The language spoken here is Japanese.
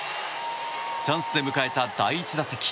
チャンスで迎えた第１打席。